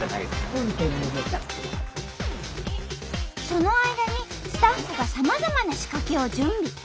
その間にスタッフがさまざまな仕掛けを準備。